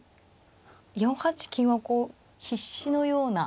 ４八金はこう必至のような。